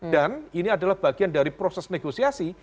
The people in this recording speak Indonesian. dan ini adalah bagian dari proses negosiasi